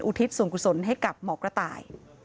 ทิศส่วนกุศลให้กับหมอกระต่าย